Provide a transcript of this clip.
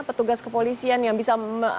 petugas kepolisian yang bisa